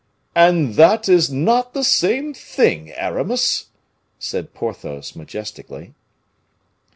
"And that is not the same thing, Aramis," said Porthos, majestically.